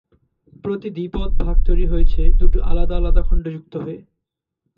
প্রতি দ্বী-পদ ভাগ তৈরি হয়েছে দুটো আলাদা আলাদা খন্ড যুক্ত হয়ে।